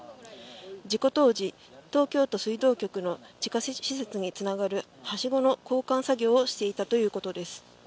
事故当時、東京都水道局の地下施設につながるはしごの交換作業をしていたということです。